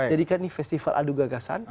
jadikan ini festival adu gagasan